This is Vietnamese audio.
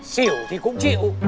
xỉu thì cũng chịu